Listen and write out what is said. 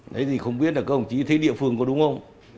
đấy thì không biết là các ông chí thấy địa phương có đúng không